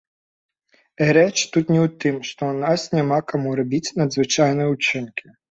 І рэч тут не ў тым, што ў нас няма каму рабіць надзвычайныя ўчынкі.